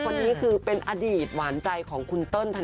คนนี้คือเป็นอดีตหวานใจของคุณเติ้ลธ